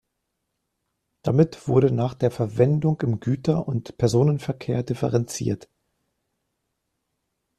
Damit wurde nach der Verwendung im Güter- und Personenverkehr differenziert.